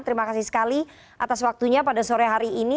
terima kasih sekali atas waktunya pada sore hari ini